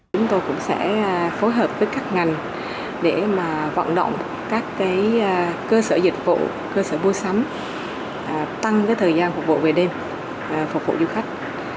cơ sở dịch vụ cơ sở mua sắm tăng thời gian phục vụ về đêm phục vụ du khách